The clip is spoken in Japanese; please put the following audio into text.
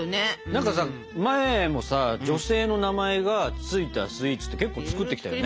何かさ前もさ女性の名前が付いたスイーツって結構作ってきたよね？